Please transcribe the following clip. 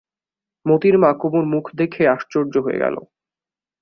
মোতির মা কুমুর মুখ দেখে আশ্চর্য হয়ে গেল।